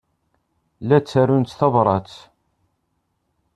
La ttarunt tabṛat?